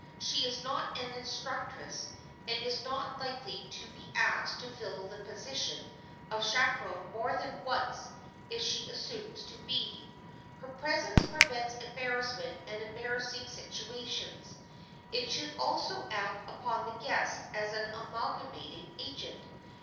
She is not an instructress and is not likely to be asked to fill the position of chaperon more than once if she assumes to be. Her presence prevents embarrassment and embarrassing situations. It should also act upon the guests as an amalgamating agent.